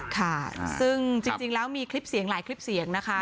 ค่ะซึ่งจริงแล้วมีคลิปเสียงหลายคลิปเสียงนะคะ